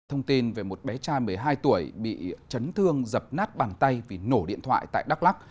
thông tin về một bé trai một mươi hai tuổi bị chấn thương dập nát bàn tay vì nổ điện thoại tại đắk lắc